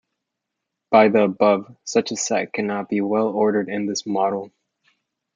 By the above, such a set cannot be well-ordered in this model.